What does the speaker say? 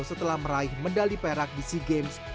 setelah meraih medali perak di sea games